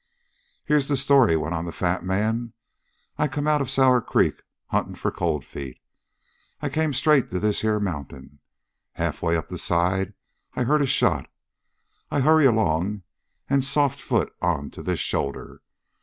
"Here's the story," went on the fat man. "I come out of Sour Creek hunting for Cold Feet. I came straight to this here mountain. Halfway up the side I hear a shot. I hurry along and soft foot on to this shoulder.